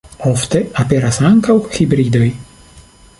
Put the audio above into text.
Ofte aperas ankaŭ hibridoj.